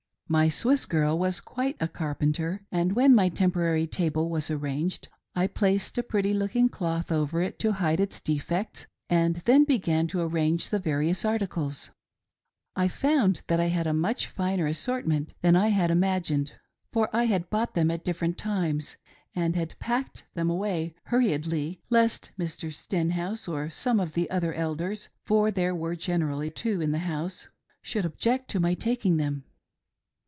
My Swiss girl was quite a carpenter, and when my tempo rary table was arranged, I placed a pretty looking cloth over it to hide its defects, and then began to arrange the various articles. I found that I had a much finer assortment than I I INTRODUCE MY "TALKATIVE FRIEND." 347 had imagined, for I had bought them at different times, and had packed them away hurriedly, lest Mr. Stenhouse or some of the other Elders — ^for there were generally one or two in the house — should object to my taking them.